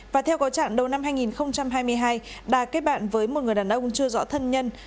và theo có trạng đầu năm hai nghìn hai mươi hai đà kết bạn với một người đàn ông chưa rõ thân nhân